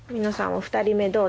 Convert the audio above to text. お二人目どう？